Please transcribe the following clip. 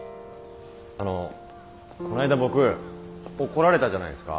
あのこないだ僕怒られたじゃないですか。